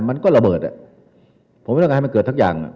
มันก็ระเบิดผมไม่ต้องให้มันเกิดทั้งอย่าง